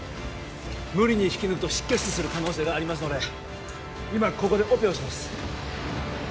無理に引き抜くと失血死する可能性がありますので今ここでオペをします